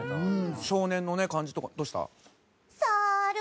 少年のね感じとかどうした？